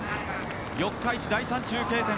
四日市第３中継点